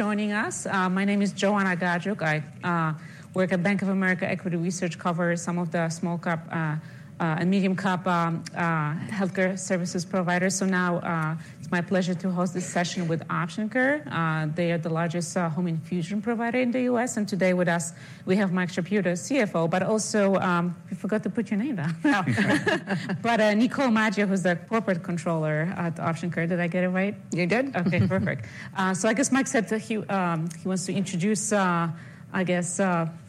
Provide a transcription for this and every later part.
Joining us. My name is Joanna Gajuk. I work at Bank of America Equity Research, cover some of the small-cap and medium-cap healthcare services providers. So now it's my pleasure to host this session with Option Care. They are the largest home infusion provider in the U.S. And today with us, we have Mike Shapiro, the CFO, but also we forgot to put your name down. But Nicole Maggio, who's the corporate controller at Option Care. Did I get it right? You did. OK, perfect. So I guess Mike said that he wants to introduce, I guess,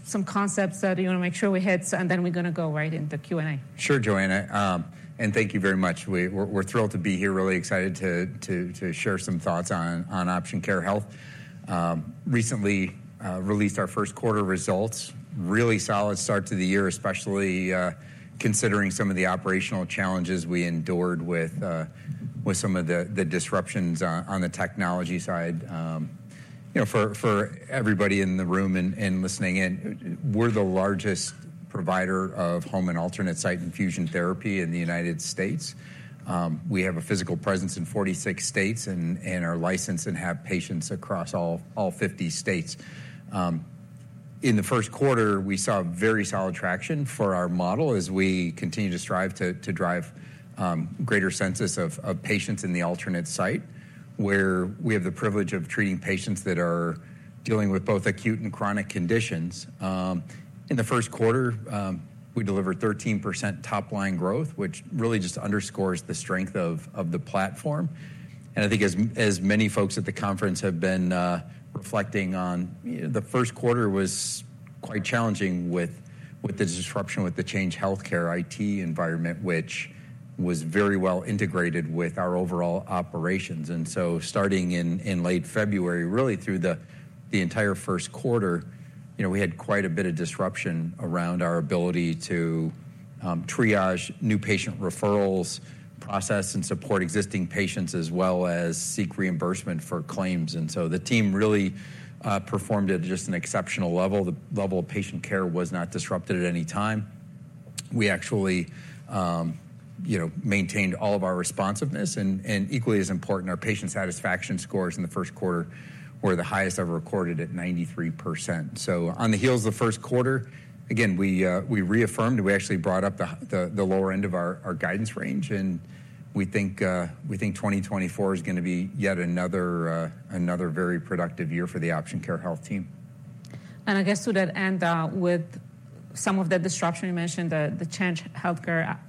some concepts that he want to make sure we hit, and then we're going to go right into Q&A. Sure, Joanna. Thank you very much. We're thrilled to be here, really excited to share some thoughts on Option Care Health. Recently released our first quarter results. Really solid start to the year, especially considering some of the operational challenges we endured with some of the disruptions on the technology side. For everybody in the room and listening in, we're the largest provider of home and alternate site infusion therapy in the United States. We have a physical presence in 46 states and are licensed and have patients across all 50 states. In the first quarter, we saw very solid traction for our model as we continue to strive to drive greater census of patients in the alternate site, where we have the privilege of treating patients that are dealing with both acute and chronic conditions. In the first quarter, we delivered 13% top-line growth, which really just underscores the strength of the platform. And I think, as many folks at the conference have been reflecting on, the first quarter was quite challenging with the disruption with the Change Healthcare IT environment, which was very well integrated with our overall operations. And so starting in late February, really through the entire first quarter, we had quite a bit of disruption around our ability to triage new patient referrals, process and support existing patients, as well as seek reimbursement for claims. And so the team really performed at just an exceptional level. The level of patient care was not disrupted at any time. We actually maintained all of our responsiveness. And equally as important, our patient satisfaction scores in the first quarter were the highest ever recorded at 93%. On the heels of the first quarter, again, we reaffirmed. We actually brought up the lower end of our guidance range. We think 2024 is going to be yet another very productive year for the Option Care Health team. I guess to that end, with some of the disruption you mentioned, the Change Healthcare outage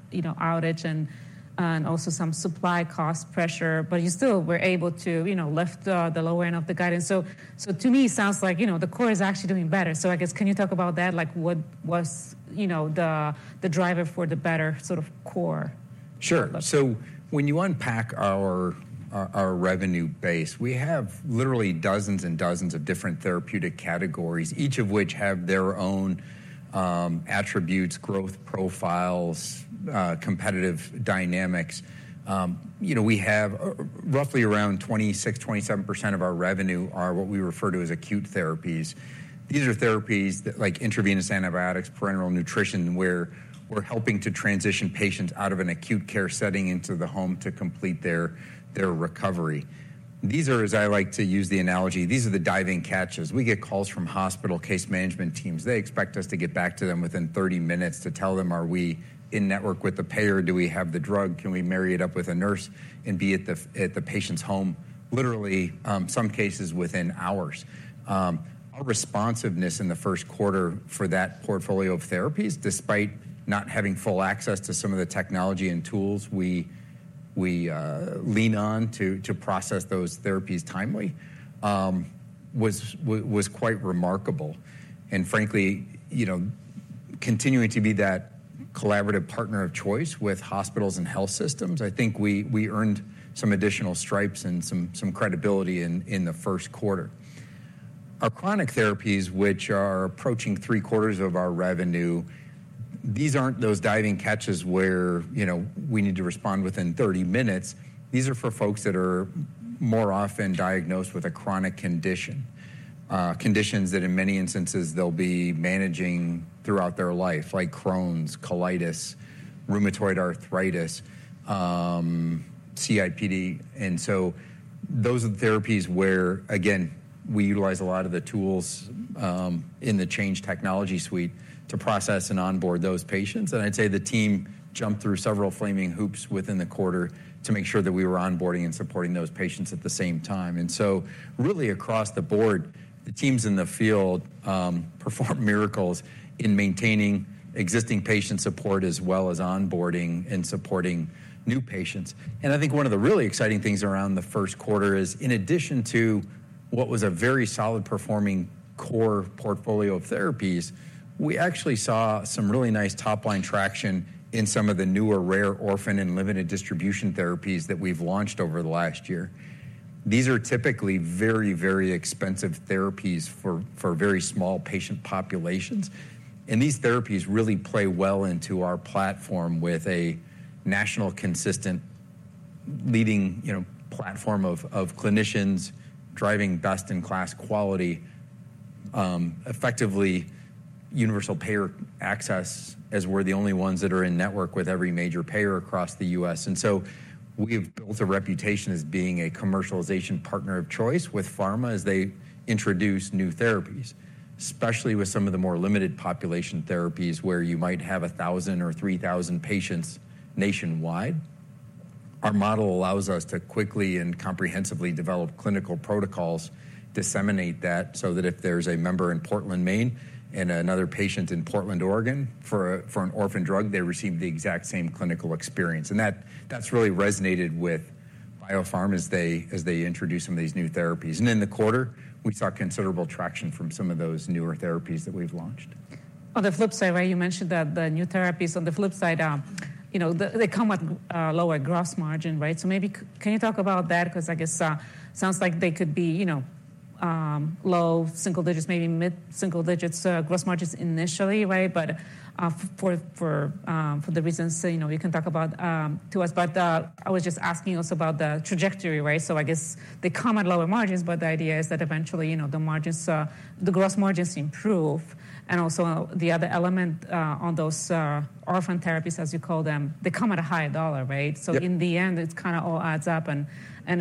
and also some supply cost pressure, but you still were able to lift the lower end of the guidance. To me, it sounds like the core is actually doing better. I guess, can you talk about that? What was the driver for the better sort of core? Sure. So when you unpack our revenue base, we have literally dozens and dozens of different therapeutic categories, each of which have their own attributes, growth profiles, competitive dynamics. We have roughly around 26%-27% of our revenue are what we refer to as acute therapies. These are therapies like intravenous antibiotics, parenteral nutrition, where we're helping to transition patients out of an acute care setting into the home to complete their recovery. These are, as I like to use the analogy, these are the diving catches. We get calls from hospital case management teams. They expect us to get back to them within 30 minutes to tell them, are we in network with the payer? Do we have the drug? Can we marry it up with a nurse and be at the patient's home, literally some cases within hours? Our responsiveness in the first quarter for that portfolio of therapies, despite not having full access to some of the technology and tools we lean on to process those therapies timely, was quite remarkable. Frankly, continuing to be that collaborative partner of choice with hospitals and health systems, I think we earned some additional stripes and some credibility in the first quarter. Our chronic therapies, which are approaching three quarters of our revenue. These aren't those diving catches where we need to respond within 30 minutes. These are for folks that are more often diagnosed with a chronic condition, conditions that in many instances they'll be managing throughout their life, like Crohn's, colitis, rheumatoid arthritis, CIDP. So those are the therapies where, again, we utilize a lot of the tools in the Change Healthcare technology suite to process and onboard those patients. I'd say the team jumped through several flaming hoops within the quarter to make sure that we were onboarding and supporting those patients at the same time. So really across the board, the teams in the field perform miracles in maintaining existing patient support as well as onboarding and supporting new patients. I think one of the really exciting things around the first quarter is, in addition to what was a very solid performing core portfolio of therapies, we actually saw some really nice top-line traction in some of the newer rare orphan and limited distribution therapies that we've launched over the last year. These are typically very, very expensive therapies for very small patient populations. And these therapies really play well into our platform with a national consistent leading platform of clinicians, driving best-in-class quality, effectively universal payer access, as we're the only ones that are in network with every major payer across the U.S. And so we've built a reputation as being a commercialization partner of choice with pharma as they introduce new therapies, especially with some of the more limited population therapies where you might have 1,000 or 3,000 patients nationwide. Our model allows us to quickly and comprehensively develop clinical protocols, disseminate that so that if there's a member in Portland, Maine, and another patient in Portland, Oregon, for an orphan drug, they receive the exact same clinical experience. And that's really resonated with biopharma as they introduce some of these new therapies. And in the quarter, we saw considerable traction from some of those newer therapies that we've launched. On the flip side, right, you mentioned that the new therapies, on the flip side, they come at a lower gross margin, right? So maybe can you talk about that? Because I guess it sounds like they could be low single digits, maybe mid-single digits gross margins initially, right? But for the reasons you can talk about to us. But I was just asking also about the trajectory, right? So I guess they come at lower margins, but the idea is that eventually the gross margins improve. And also the other element on those orphan therapies, as you call them, they come at a higher dollar, right? So in the end, it kind of all adds up and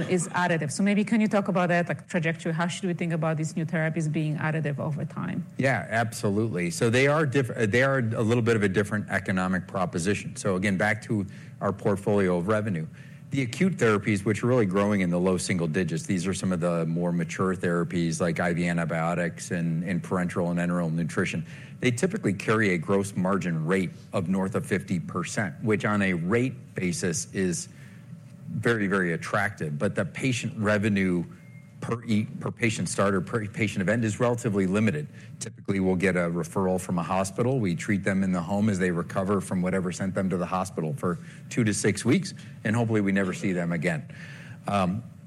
is additive. So maybe can you talk about that trajectory? How should we think about these new therapies being additive over time? Yeah, absolutely. So they are a little bit of a different economic proposition. So again, back to our portfolio of revenue. The acute therapies, which are really growing in the low single digits, these are some of the more mature therapies like IV antibiotics and parenteral and enteral nutrition. They typically carry a gross margin rate of north of 50%, which on a rate basis is very, very attractive. But the patient revenue per patient start or per patient event is relatively limited. Typically, we'll get a referral from a hospital. We treat them in the home as they recover from whatever sent them to the hospital for two to six weeks. And hopefully, we never see them again.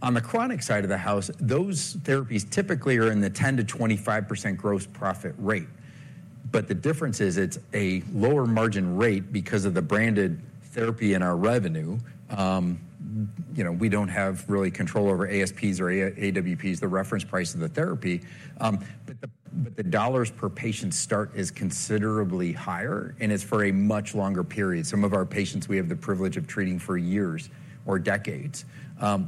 On the chronic side of the house, those therapies typically are in the 10%-25% gross profit rate. But the difference is it's a lower margin rate because of the branded therapy in our revenue. We don't have really control over ASPs or AWPs, the reference price of the therapy. But the dollars per patient start is considerably higher. And it's for a much longer period. Some of our patients, we have the privilege of treating for years or decades.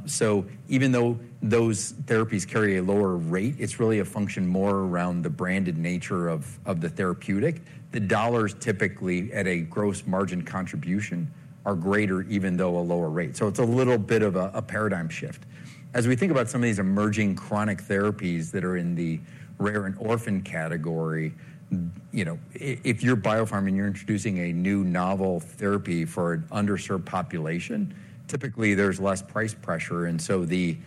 So even though those therapies carry a lower rate, it's really a function more around the branded nature of the therapeutic. The dollars typically at a gross margin contribution are greater, even though a lower rate. So it's a little bit of a paradigm shift. As we think about some of these emerging chronic therapies that are in the rare and orphan category, if you're biopharma and you're introducing a new novel therapy for an underserved population, typically there's less price pressure. And so the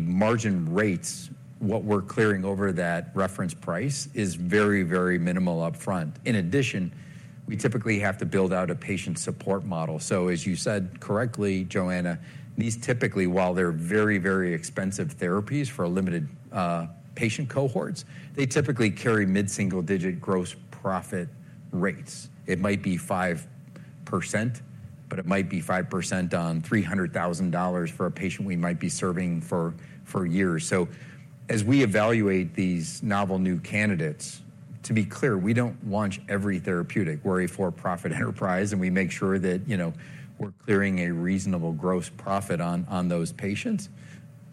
margin rates, what we're clearing over that reference price is very, very minimal upfront. In addition, we typically have to build out a patient support model. So as you said correctly, Joanna, these typically, while they're very, very expensive therapies for limited patient cohorts, they typically carry mid-single digit gross profit rates. It might be 5%, but it might be 5% on $300,000 for a patient we might be serving for years. So as we evaluate these novel new candidates, to be clear, we don't launch every therapeutic. We're a for-profit enterprise. And we make sure that we're clearing a reasonable gross profit on those patients.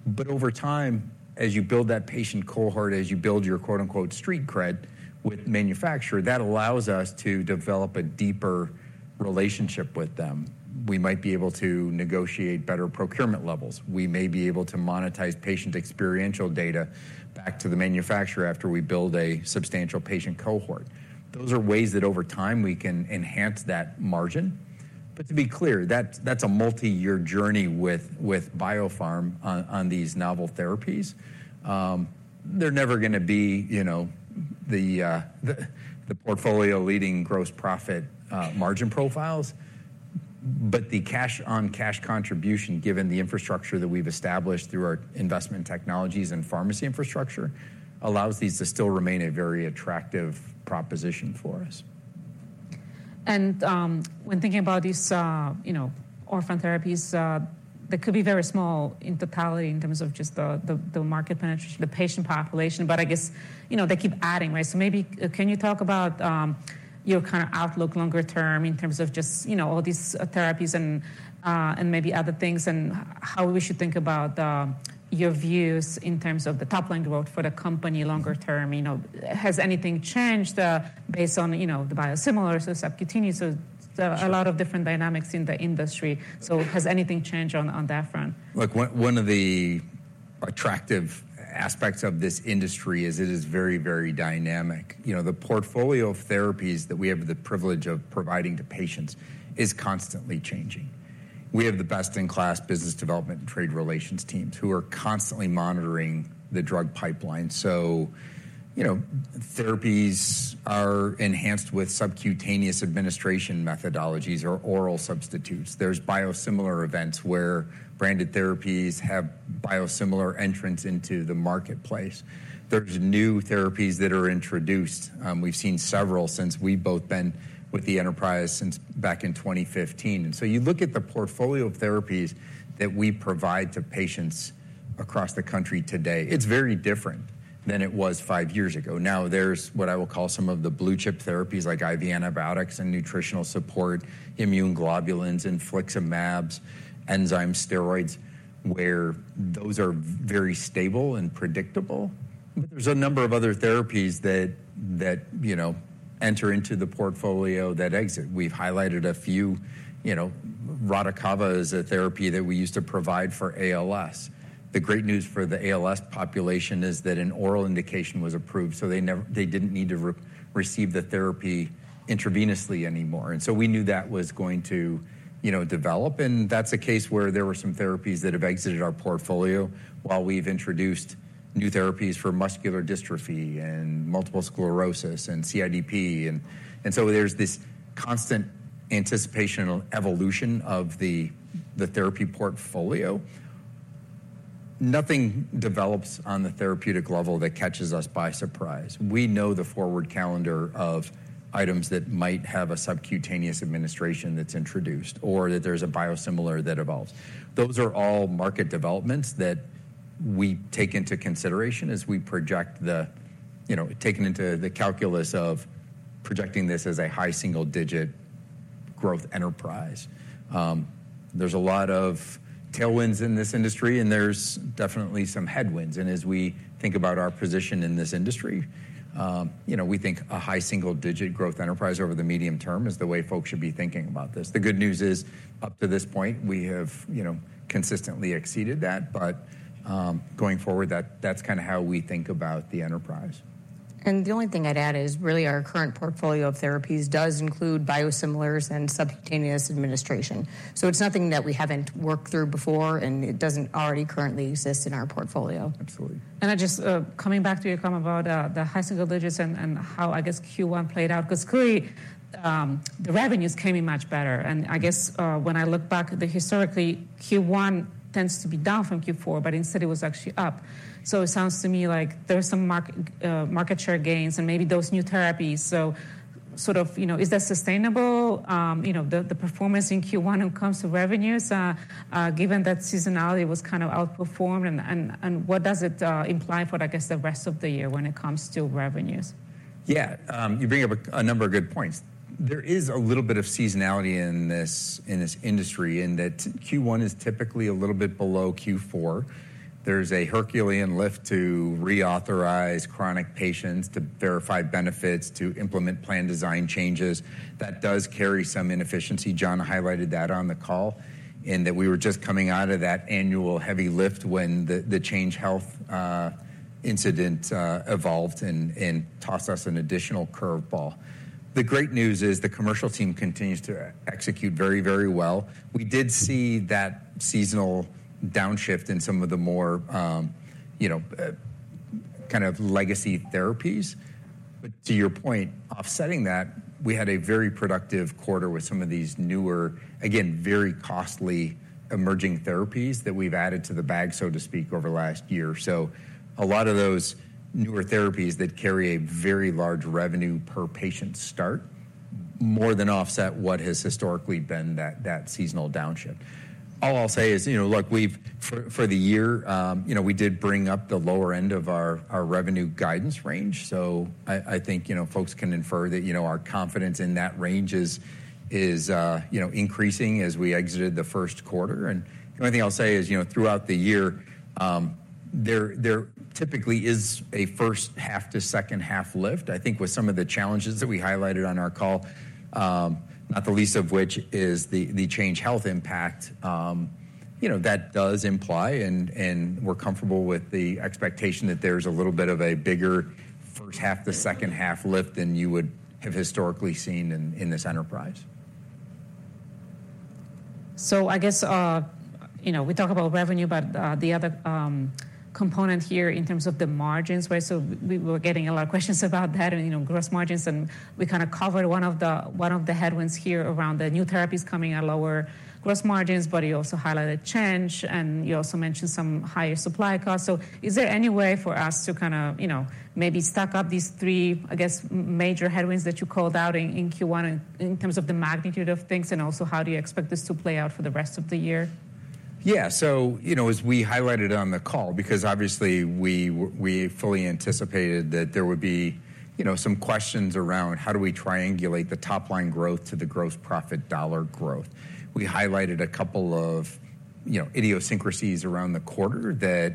But over time, as you build that patient cohort, as you build your "street cred" with manufacturer, that allows us to develop a deeper relationship with them. We might be able to negotiate better procurement levels. We may be able to monetize patient experiential data back to the manufacturer after we build a substantial patient cohort. Those are ways that over time we can enhance that margin. But to be clear, that's a multi-year journey with biopharma on these novel therapies. They're never going to be the portfolio leading gross profit margin profiles. But the cash-on-cash contribution, given the infrastructure that we've established through our investment technologies and pharmacy infrastructure, allows these to still remain a very attractive proposition for us. When thinking about these orphan therapies, they could be very small in totality in terms of just the market penetration, the patient population. But I guess they keep adding, right? So maybe can you talk about your kind of outlook longer term in terms of just all these therapies and maybe other things and how we should think about your views in terms of the top-line growth for the company longer term? Has anything changed based on the biosimilars or subcutaneous? There's a lot of different dynamics in the industry. So has anything changed on that front? Look, one of the attractive aspects of this industry is it is very, very dynamic. The portfolio of therapies that we have the privilege of providing to patients is constantly changing. We have the best-in-class business development and trade relations teams who are constantly monitoring the drug pipeline. So therapies are enhanced with subcutaneous administration methodologies or oral substitutes. There's biosimilar events where branded therapies have biosimilar entrance into the marketplace. There's new therapies that are introduced. We've seen several since we've both been with the enterprise since back in 2015. And so you look at the portfolio of therapies that we provide to patients across the country today, it's very different than it was five years ago. Now, there's what I will call some of the blue chip therapies, like IV antibiotics and nutritional support, immune globulins and infliximabs, enzyme steroids, where those are very stable and predictable. But there's a number of other therapies that enter into the portfolio that exit. We've highlighted a few. Radicava is a therapy that we used to provide for ALS. The great news for the ALS population is that an oral indication was approved. So they didn't need to receive the therapy intravenously anymore. And so we knew that was going to develop. And that's a case where there were some therapies that have exited our portfolio while we've introduced new therapies for muscular dystrophy and multiple sclerosis and CIDP. And so there's this constant anticipational evolution of the therapy portfolio. Nothing develops on the therapeutic level that catches us by surprise. We know the forward calendar of items that might have a subcutaneous administration that's introduced or that there's a biosimilar that evolves. Those are all market developments that we take into consideration as we project, taken into the calculus of projecting this as a high single digit growth enterprise. There's a lot of tailwinds in this industry. There's definitely some headwinds. As we think about our position in this industry, we think a high single digit growth enterprise over the medium term is the way folks should be thinking about this. The good news is, up to this point, we have consistently exceeded that. Going forward, that's kind of how we think about the enterprise. The only thing I'd add is really our current portfolio of therapies does include biosimilars and subcutaneous administration. It's nothing that we haven't worked through before. It doesn't already currently exist in our portfolio. Absolutely. I just coming back to you, Mike about the high single digits and how, I guess, Q1 played out. Because clearly, the revenues came in much better. I guess when I look back, historically, Q1 tends to be down from Q4. But instead, it was actually up. So it sounds to me like there's some market share gains. And maybe those new therapies so sort of is that sustainable? The performance in Q1 when it comes to revenues, given that seasonality was kind of outperformed. And what does it imply for, I guess, the rest of the year when it comes to revenues? Yeah, you bring up a number of good points. There is a little bit of seasonality in this industry in that Q1 is typically a little bit below Q4. There's a Herculean lift to reauthorize chronic patients, to verify benefits, to implement plan design changes. That does carry some inefficiency. John highlighted that on the call in that we were just coming out of that annual heavy lift when the Change Healthcare incident evolved and tossed us an additional curveball. The great news is the commercial team continues to execute very, very well. We did see that seasonal downshift in some of the more kind of legacy therapies. But to your point, offsetting that, we had a very productive quarter with some of these newer, again, very costly emerging therapies that we've added to the bag, so to speak, over the last year. So a lot of those newer therapies that carry a very large revenue per patient start more than offset what has historically been that seasonal downshift. All I'll say is, look, for the year, we did bring up the lower end of our revenue guidance range. So I think folks can infer that our confidence in that range is increasing as we exited the first quarter. And the only thing I'll say is throughout the year, there typically is a first half to second half lift. I think with some of the challenges that we highlighted on our call, not the least of which is the Change Healthcare impact, that does imply. And we're comfortable with the expectation that there's a little bit of a bigger first half to second half lift than you would have historically seen in this enterprise. So I guess we talk about revenue. But the other component here in terms of the margins, right? So we were getting a lot of questions about that and gross margins. And we kind of covered one of the headwinds here around the new therapies coming at lower gross margins. But you also highlighted Change Healthcare. And you also mentioned some higher supply costs. So is there any way for us to kind of maybe stack up these three, I guess, major headwinds that you called out in Q1 in terms of the magnitude of things? And also how do you expect this to play out for the rest of the year? Yeah, so as we highlighted on the call, because obviously we fully anticipated that there would be some questions around how do we triangulate the top-line growth to the gross profit dollar growth. We highlighted a couple of idiosyncrasies around the quarter that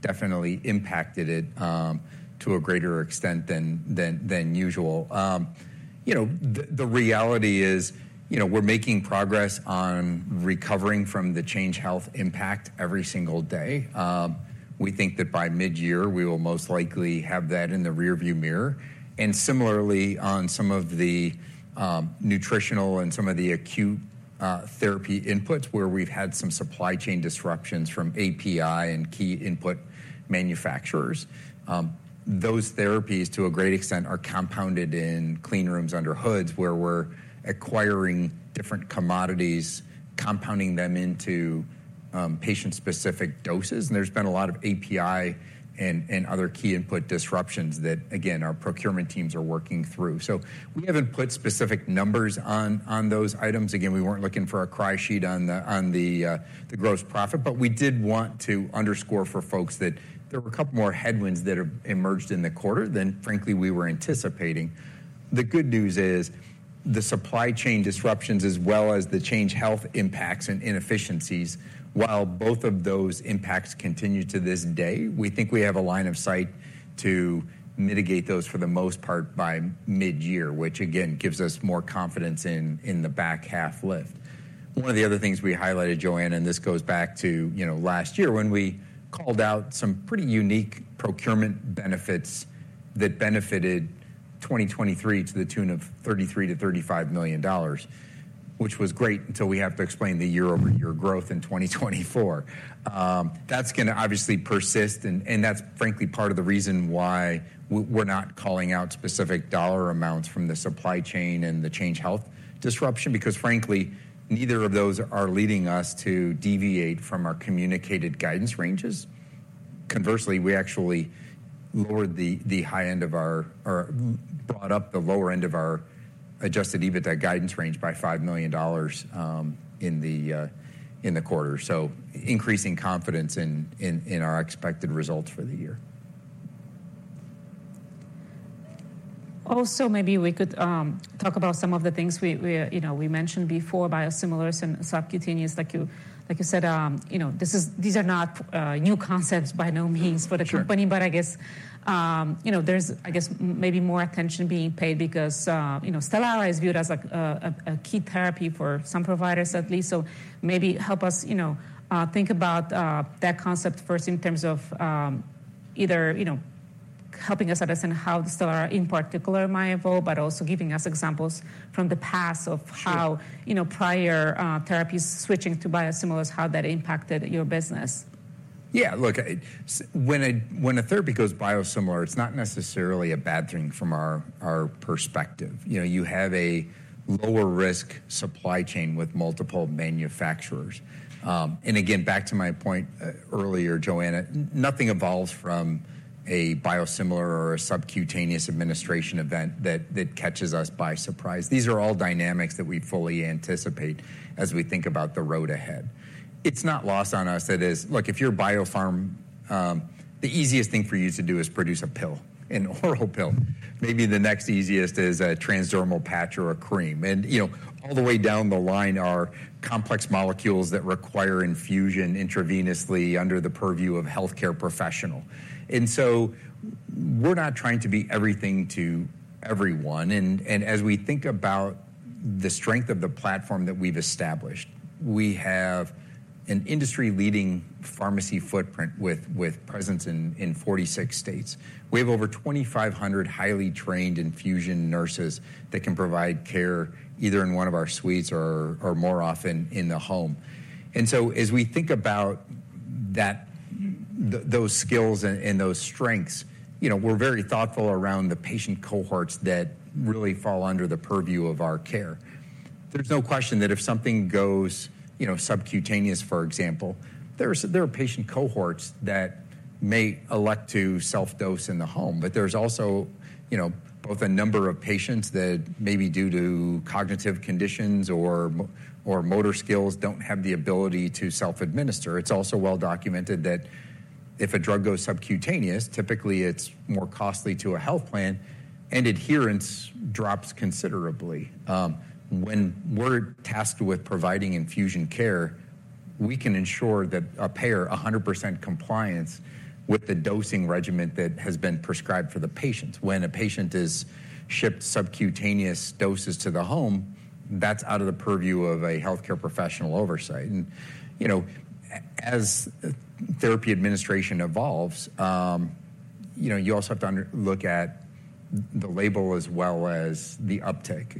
definitely impacted it to a greater extent than usual. The reality is we're making progress on recovering from the Change Healthcare impact every single day. We think that by mid-year, we will most likely have that in the rearview mirror. And similarly, on some of the nutritional and some of the acute therapy inputs where we've had some supply chain disruptions from API and key input manufacturers, those therapies, to a great extent, are compounded in clean rooms under hoods where we're acquiring different commodities, compounding them into patient-specific doses. There's been a lot of API and other key input disruptions that, again, our procurement teams are working through. So we haven't put specific numbers on those items. Again, we weren't looking for a cheat sheet on the gross profit. But we did want to underscore for folks that there were a couple more headwinds that have emerged in the quarter than, frankly, we were anticipating. The good news is the supply chain disruptions, as well as the Change Healthcare impacts and inefficiencies, while both of those impacts continue to this day, we think we have a line of sight to mitigate those for the most part by mid-year, which, again, gives us more confidence in the back half lift. One of the other things we highlighted, Joanna, and this goes back to last year, when we called out some pretty unique procurement benefits that benefited 2023 to the tune of $33 million-$35 million, which was great until we have to explain the year-over-year growth in 2024. That's going to obviously persist. And that's, frankly, part of the reason why we're not calling out specific dollar amounts from the supply chain and the Change Healthcare disruption. Because, frankly, neither of those are leading us to deviate from our communicated guidance ranges. Conversely, we actually lowered the high end of our or brought up the lower end of our adjusted EBITDA guidance range by $5 million in the quarter. So increasing confidence in our expected results for the year. Also, maybe we could talk about some of the things we mentioned before: biosimilars and subcutaneous. Like you said, these are not new concepts by no means for the company. But I guess there's, I guess, maybe more attention being paid because Stelara is viewed as a key therapy for some providers, at least. So maybe help us think about that concept first in terms of either helping us understand how the Stelara, in particular, might evolve, but also giving us examples from the past of how prior therapies switching to biosimilars, how that impacted your business. Yeah, look, when a therapy goes biosimilar, it's not necessarily a bad thing from our perspective. You have a lower-risk supply chain with multiple manufacturers. And again, back to my point earlier, Joanna, nothing evolves from a biosimilar or a subcutaneous administration event that catches us by surprise. These are all dynamics that we fully anticipate as we think about the road ahead. It's not lost on us that is, look, if you're a biopharma, the easiest thing for you to do is produce a pill, an oral pill. Maybe the next easiest is a transdermal patch or a cream. And all the way down the line are complex molecules that require infusion intravenously under the purview of a healthcare professional. And so we're not trying to be everything to everyone. As we think about the strength of the platform that we've established, we have an industry-leading pharmacy footprint with presence in 46 states. We have over 2,500 highly trained infusion nurses that can provide care either in one of our suites or more often in the home. So as we think about those skills and those strengths, we're very thoughtful around the patient cohorts that really fall under the purview of our care. There's no question that if something goes subcutaneous, for example, there are patient cohorts that may elect to self-dose in the home. But there's also both a number of patients that maybe due to cognitive conditions or motor skills don't have the ability to self-administer. It's also well documented that if a drug goes subcutaneous, typically it's more costly to a health plan. And adherence drops considerably. When we're tasked with providing infusion care, we can ensure that appear 100% compliance with the dosing regimen that has been prescribed for the patients. When a patient is shipped subcutaneous doses to the home, that's out of the purview of a healthcare professional oversight. And as therapy administration evolves, you also have to look at the label as well as the uptake.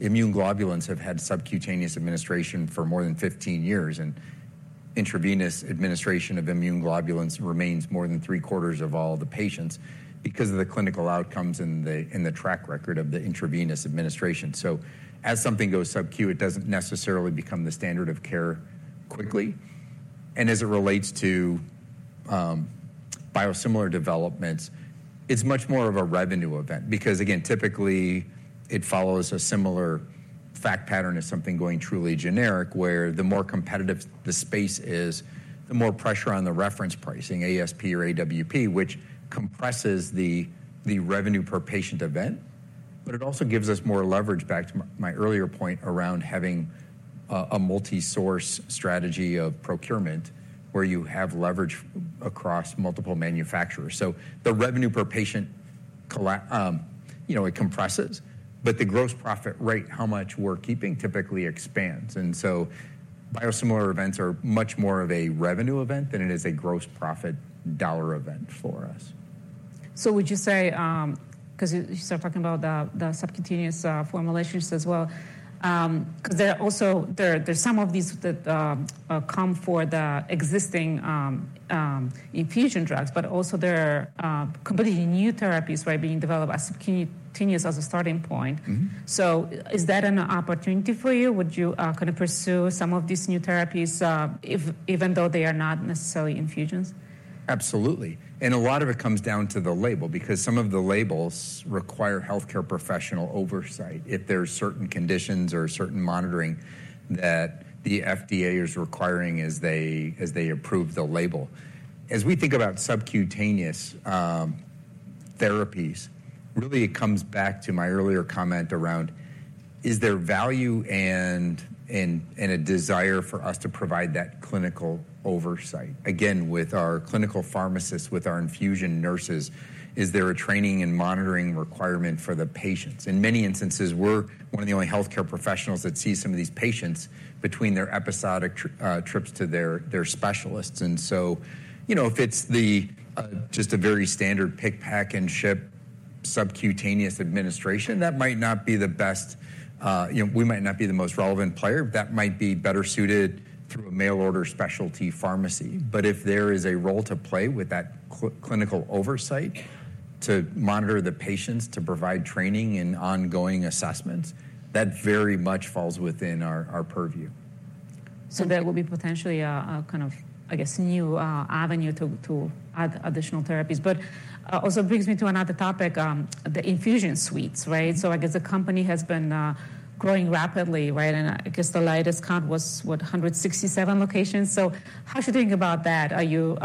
Immune globulins have had subcutaneous administration for more than 15 years. And intravenous administration of immune globulins remains more than three-quarters of all the patients because of the clinical outcomes and the track record of the intravenous administration. So as something goes sub-Q, it doesn't necessarily become the standard of care quickly. And as it relates to biosimilar developments, it's much more of a revenue event. Because, again, typically, it follows a similar fact pattern as something going truly generic where the more competitive the space is, the more pressure on the reference pricing, ASP or AWP, which compresses the revenue per patient event. But it also gives us more leverage back to my earlier point around having a multi-source strategy of procurement where you have leverage across multiple manufacturers. So the revenue per patient, it compresses. But the gross profit rate, how much we're keeping, typically expands. And so biosimilar events are much more of a revenue event than it is a gross profit dollar event for us. So would you say because you started talking about the subcutaneous formulations as well because there are also some of these that come for the existing infusion drugs? But also there are completely new therapies, right, being developed as subcutaneous as a starting point. So is that an opportunity for you? Would you kind of pursue some of these new therapies even though they are not necessarily infusions? Absolutely. A lot of it comes down to the label. Because some of the labels require healthcare professional oversight if there are certain conditions or certain monitoring that the FDA is requiring as they approve the label. As we think about subcutaneous therapies, really, it comes back to my earlier comment around, is there value and a desire for us to provide that clinical oversight? Again, with our clinical pharmacists, with our infusion nurses, is there a training and monitoring requirement for the patients? In many instances, we're one of the only healthcare professionals that sees some of these patients between their episodic trips to their specialists. And so if it's just a very standard pick, pack, and ship subcutaneous administration, that might not be the best, we might not be the most relevant player. That might be better suited through a mail order specialty pharmacy. But if there is a role to play with that clinical oversight to monitor the patients, to provide training and ongoing assessments, that very much falls within our purview. So that will be potentially a kind of, I guess, new avenue to add additional therapies. But also brings me to another topic, the infusion suites, right? So I guess the company has been growing rapidly, right? And I guess the latest count was, what, 167 locations? So how should you think about that? Are you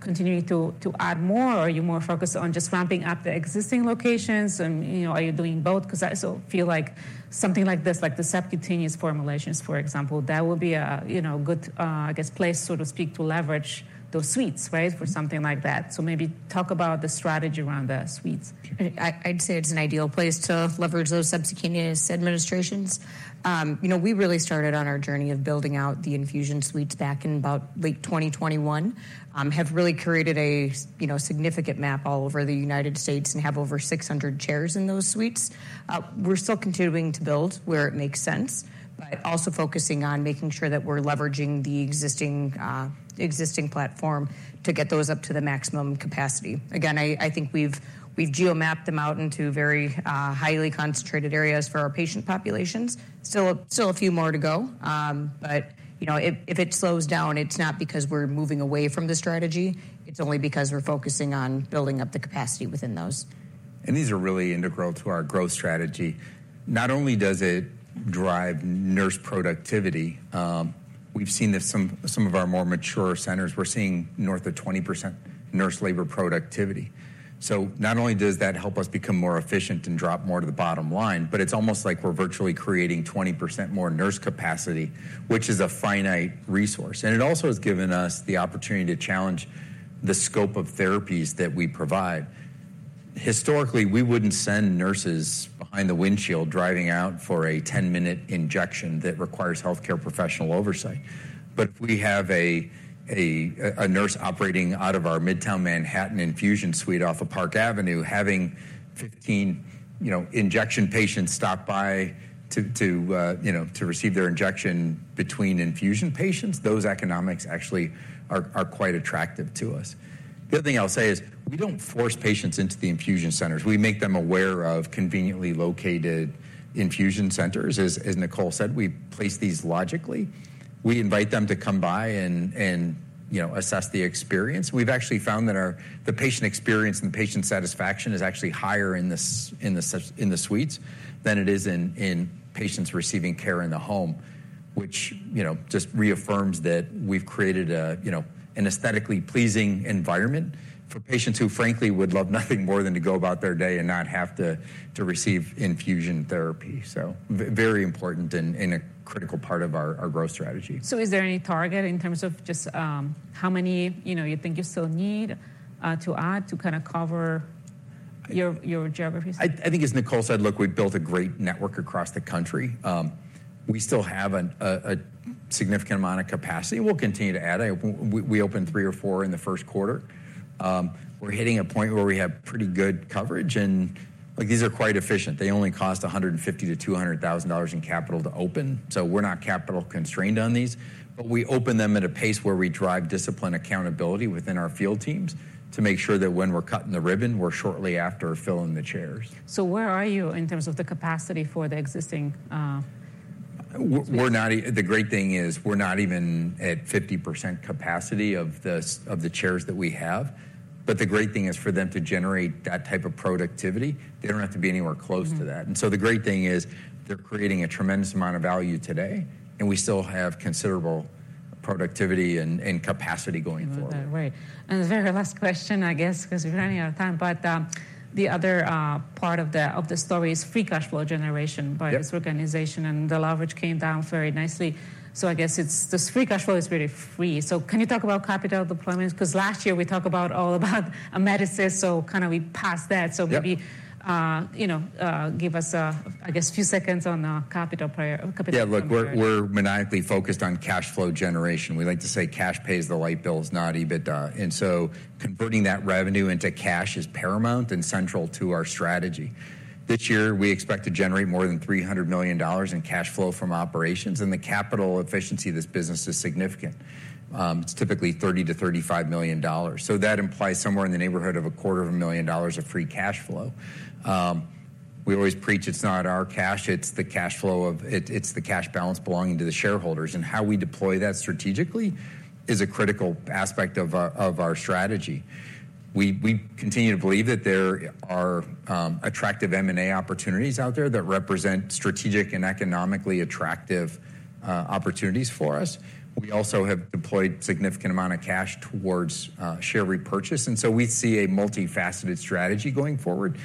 continuing to add more? Are you more focused on just ramping up the existing locations? And are you doing both? Because I also feel like something like this, like the subcutaneous formulations, for example, that would be a good, I guess, place, so to speak, to leverage those suites, right, for something like that. So maybe talk about the strategy around the suites. I'd say it's an ideal place to leverage those subcutaneous administrations. We really started on our journey of building out the infusion suites back in about late 2021, have really created a significant map all over the United States, and have over 600 chairs in those suites. We're still continuing to build where it makes sense, but also focusing on making sure that we're leveraging the existing platform to get those up to the maximum capacity. Again, I think we've geomapped them out into very highly concentrated areas for our patient populations. Still a few more to go. But if it slows down, it's not because we're moving away from the strategy. It's only because we're focusing on building up the capacity within those. These are really integral to our growth strategy. Not only does it drive nurse productivity, we've seen that some of our more mature centers, we're seeing north of 20% nurse labor productivity. So not only does that help us become more efficient and drop more to the bottom line, but it's almost like we're virtually creating 20% more nurse capacity, which is a finite resource. And it also has given us the opportunity to challenge the scope of therapies that we provide. Historically, we wouldn't send nurses behind the windshield driving out for a 10-minute injection that requires healthcare professional oversight. But if we have a nurse operating out of our Midtown Manhattan infusion suite off of Park Avenue, having 15 injection patients stop by to receive their injection between infusion patients, those economics actually are quite attractive to us. The other thing I'll say is we don't force patients into the infusion centers. We make them aware of conveniently located infusion centers. As Nicole said, we place these logically. We invite them to come by and assess the experience. We've actually found that the patient experience and the patient satisfaction is actually higher in the suites than it is in patients receiving care in the home, which just reaffirms that we've created an aesthetically pleasing environment for patients who, frankly, would love nothing more than to go about their day and not have to receive infusion therapy. So very important and a critical part of our growth strategy. Is there any target in terms of just how many you think you still need to add to kind of cover your geographies? I think, as Nicole said, look, we've built a great network across the country. We still have a significant amount of capacity. We'll continue to add. We opened 3 or 4 in the first quarter. We're hitting a point where we have pretty good coverage. And these are quite efficient. They only cost $150,000-$200,000 in capital to open. So we're not capital constrained on these. But we open them at a pace where we drive discipline accountability within our field teams to make sure that when we're cutting the ribbon, we're shortly after filling the chairs. Where are you in terms of the capacity for the existing? The great thing is we're not even at 50% capacity of the chairs that we have. But the great thing is for them to generate that type of productivity, they don't have to be anywhere close to that. And so the great thing is they're creating a tremendous amount of value today. And we still have considerable productivity and capacity going forward. Right. And the very last question, I guess, because we're running out of time. But the other part of the story is free cash flow generation by this organization. And the leverage came down very nicely. So I guess this free cash flow is really free. So can you talk about capital deployment? Because last year we talked all about Amedisys. So kind of we passed that. So maybe give us, I guess, a few seconds on capital play. Yeah, look, we're maniacally focused on cash flow generation. We like to say cash pays the light bills, not EBITDA. And so converting that revenue into cash is paramount and central to our strategy. This year, we expect to generate more than $300 million in cash flow from operations. And the capital efficiency of this business is significant. It's typically $30 million-$35 million. So that implies somewhere in the neighborhood of $250,000 of free cash flow. We always preach it's not our cash. It's the cash flow of it's the cash balance belonging to the shareholders. And how we deploy that strategically is a critical aspect of our strategy. We continue to believe that there are attractive M&A opportunities out there that represent strategic and economically attractive opportunities for us. We also have deployed a significant amount of cash towards share repurchase. We see a multifaceted strategy going forward.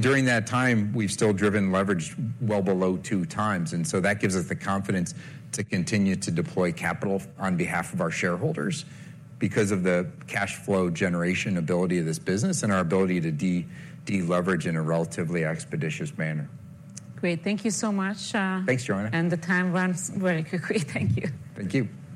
During that time, we've still driven leverage well below 2x. That gives us the confidence to continue to deploy capital on behalf of our shareholders because of the cash flow generation ability of this business and our ability to de-leverage in a relatively expeditious manner. Great. Thank you so much. Thanks, Joanna. The time runs very quickly. Thank you. Thank you.